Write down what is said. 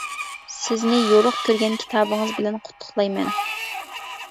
سىزنى يورۇق كۆرگەن كىتابىڭىز بىلەن قۇتلۇقلايمەن.